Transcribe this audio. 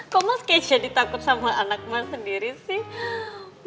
kok mas catch jadi takut sama anak mas sendiri sih